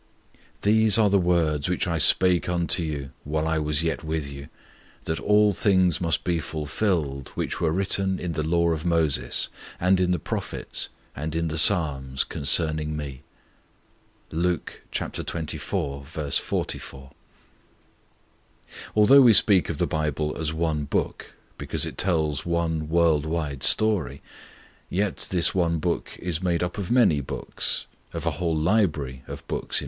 '_These are the words which I spake unto you, while I was yet with you, that all things must be fulfilled, which were written in the law of Moses, and in the prophets, and in the Psalms, concerning Me._' (Luke xxiv. 44.) Although we speak of the Bible as one Book, because it tells one world wide story, yet this one Book is made up of many books of a whole library of books in fact.